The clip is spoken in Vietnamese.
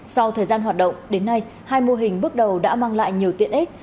sau thời gian hoạt động đến nay hai mô hình bước đầu đã mang lại nhiều tiện ích